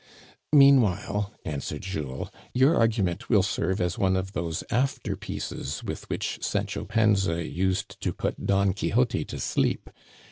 " Meanwhile," answered Jules, your argument will serve as one of those after pieces with which Sancho Panza used to put Don Quixote to sleep.